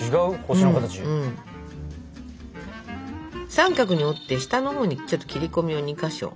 三角に折って下のほうにちょっと切り込みを２か所。